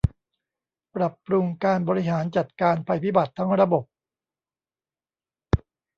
ปรับปรุงการบริหารจัดการภัยพิบัติทั้งระบบ